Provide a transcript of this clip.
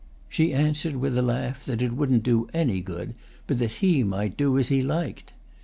She answered with a laugh that it wouldn't do any good but that he might do as he liked.